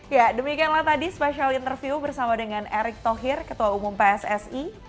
ya demikianlah tadi spesial interview bersama dengan erick thohir ketua umum pssi